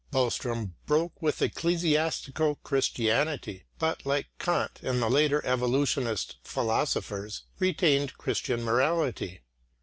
Boström broke with ecclesiastical Christianity, but, like Kant and the later evolutionist philosophers, retained Christian morality.